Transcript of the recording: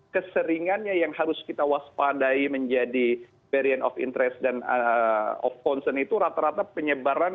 keseringannya yang harus kita waspadai menjadi variant of interest dan of concern itu rata rata penyebaran